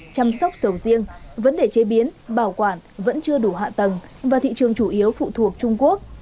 chăm sóc sầu riêng vấn đề chế biến bảo quản vẫn chưa đủ hạ tầng và thị trường chủ yếu phụ thuộc trung quốc